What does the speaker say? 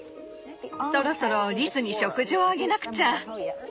そろそろリスに食事をあげなくちゃ。